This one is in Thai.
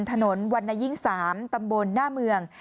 ถนนวรรณยิ่ง๓ตำบลหน้าเมือง